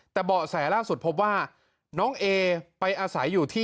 แต่เบาะแสล่าสุดพบว่าน้องเอไปอาศัยอยู่ที่